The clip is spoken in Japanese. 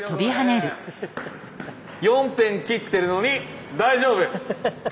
４辺切ってるのに大丈夫！